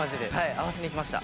合わせにいきました。